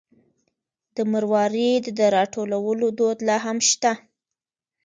د مروارید د راټولولو دود لا هم شته.